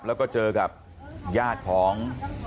แล้วก็เจอกับญาติของ